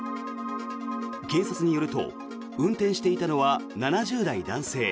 警察によると運転していたのは７０代男性。